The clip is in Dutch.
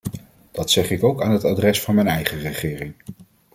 Dat zeg ik ook aan het adres van mijn eigen regering.